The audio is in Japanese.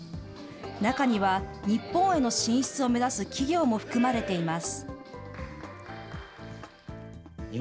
中には日本への進出を目指す企業も含まれています。